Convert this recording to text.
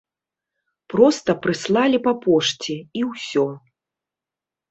Проста прыслалі па пошце і ўсё.